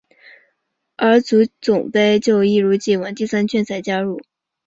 而足总杯就一如已往与其他英超及英冠球会于第三圈才加入。